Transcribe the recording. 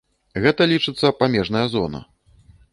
Гэта лічыцца памежная зона.